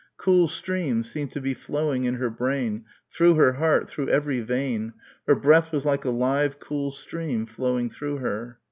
Cool streams seemed to be flowing in her brain, through her heart, through every vein, her breath was like a live cool stream flowing through her.